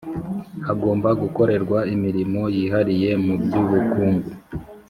Hagomba gukorerwa imirimo yihariye mu by’ubukungu